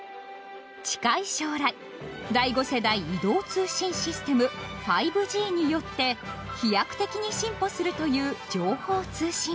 近い将来第５世代移動通信システム５Ｇによって飛躍的に進歩するという情報通信業。